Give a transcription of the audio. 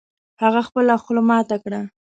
هغه خپله خوله ماته کړه